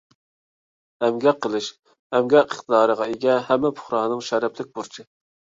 ئەمگەك قىلىش — ئەمگەك ئىقتىدارىغا ئىگە ھەممە پۇقرانىڭ شەرەپلىك بۇرچى.